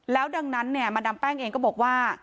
แล้วดังนั้นมาดามแป้งเองก็บอกว่า